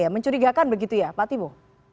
mencurigakan begitu ya pak timbu